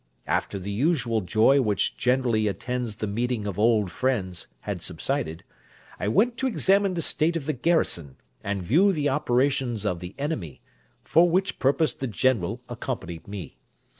After the usual joy which generally attends the meeting of old friends had subsided, I went to examine the state of the garrison, and view the operations of the enemy, for which purpose the General accompanied me.